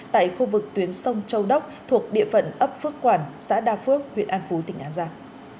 tại khu vực tuyến sông châu đốc thuộc địa phận ấp phước quản xã đa phước huyện an phú tỉnh an giang